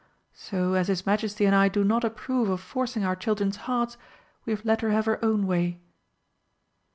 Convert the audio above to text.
So as His Majesty and I do not approve of forcing our children's hearts, we have let her have her own way."